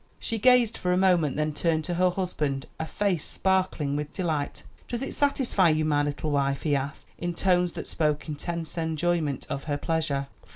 She gazed for a moment, then turned to her husband a face sparkling with delight. "Does it satisfy you, my little wife?" he asked, in tones that spoke intense enjoyment of her pleasure.